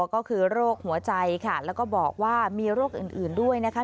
ก็คือโรคหัวใจค่ะแล้วก็บอกว่ามีโรคอื่นด้วยนะคะ